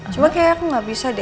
cuma kayak aku gak bisa deh